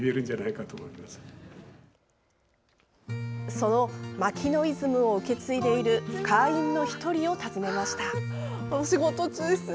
その牧野イズムを受け継いでいる会員の１人を訪ねました。